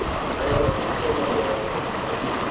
I am looking for my wife every day.